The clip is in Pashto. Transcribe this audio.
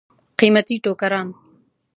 قیمتي ټوکران.